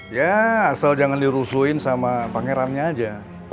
ya asal jangan dirusuin sama pangerannya aja